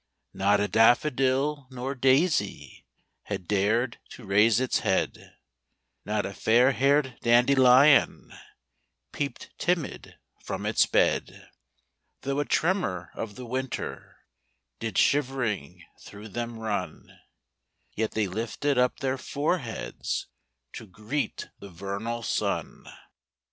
Not a daffodil nor daisy Had dared to raise its head; Not a fairhaired dandelion Peeped timid from its bed; THE CROCUSES. 5 Though a tremor of the winter Did shivering through them run; Yet they lifted up their foreheads To greet the vernal sun.